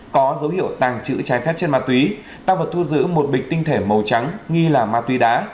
có dấu hiệu tàng trữ trái phép chất ma túy tăng vật thu giữ một bịch tinh thể màu trắng nghi là ma túy đá